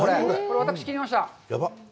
私、切りました。